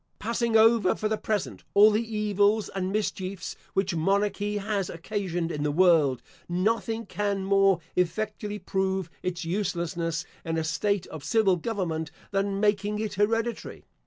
Passing over, for the present, all the evils and mischiefs which monarchy has occasioned in the world, nothing can more effectually prove its uselessness in a state of civil government, than making it hereditary.